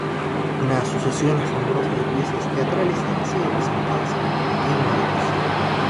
Una sucesión asombrosa de piezas teatrales han sido presentadas en el pequeño edificio.